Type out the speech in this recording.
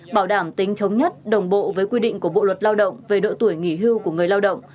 bảo đảm tính thống nhất đồng bộ với quy định của bộ luật lao động về độ tuổi nghỉ hưu của người lao động